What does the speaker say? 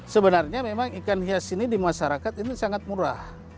sebenarnya memang ikan hias ini di masyarakat ini sangat murah